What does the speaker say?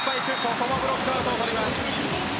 ここもブロックアウトを取ります。